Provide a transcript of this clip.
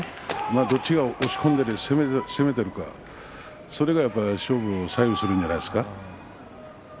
どっちが押し込んで攻めていくかそれが勝負を左右するんじゃないですか。